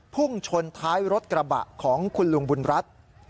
พุ่งชนท้ายรถกระบะของคุณลุงบุญรัฐ